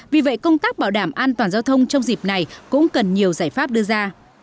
vì vậy công tác bảo đảm an toàn giao thông trong dịp này cũng cần nhiều giải pháp đưa ra